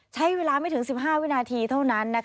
ใช้เวลาไม่ถึง๑๕วินาทีเท่านั้น